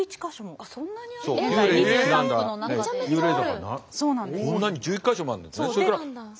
こんなに１１か所もあるんですね。